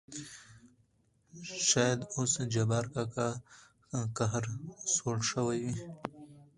شاېد اوس جبار کاکا قهر سوړ شوى وي.